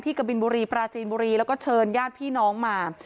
กะบินบุรีปราจีนบุรีแล้วก็เชิญญาติพี่น้องมา